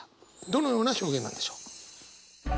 どのような表現なんでしょう？